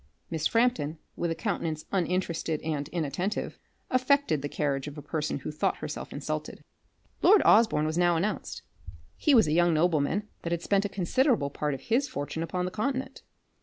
Miss Frampton, with a countenance uninterested and inattentive, affected the carriage of a person who thought herself insulted. Lord Osborne was now announced. He was a young nobleman, that had spent a considerable part of his fortune upon the continent.